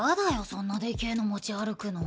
そんなでけえの持ち歩くの。